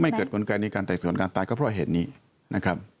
เกิดกลไกในการไต่สวนการตายก็เพราะเหตุนี้นะครับ